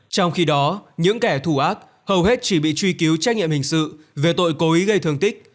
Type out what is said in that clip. trong khi đó những kẻ thù ác hầu hết chỉ bị truy cứu trách nhiệm hình sự về tội cố ý gây thương tích